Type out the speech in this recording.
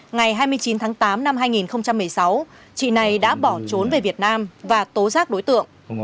ngày hai mươi chín tháng tám năm hai nghìn một mươi sáu chị này đã bỏ trốn về việt nam và tố giác đối tượng